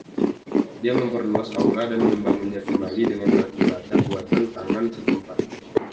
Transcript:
Dia memperluas Aula dan membangunnya kembali dengan batu bata buatan tangan setempat.